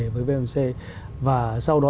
với vamc và sau đó